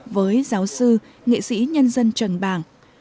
với giáo sư nghệ sĩ nhân dân trần bảng